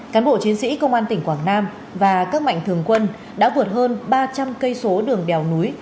cán bộ chiến sĩ công an tỉnh quảng nam và các mạnh thường quân đã vượt hơn ba trăm linh cây số đường đèo núi